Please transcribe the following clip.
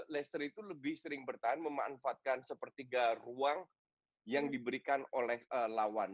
leicester itu lebih sering bertahan memanfaatkan sepertiga ruang yang diberikan oleh lawan